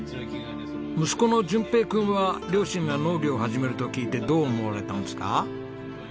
息子の順平君は両親が農業を始めると聞いてどう思われたんですか？